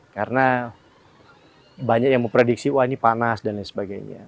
karena banyak yang memprediksi wah ini panas dan lain sebagainya